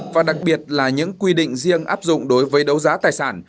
và đặc biệt là những quy định riêng áp dụng đối với đấu giá tài sản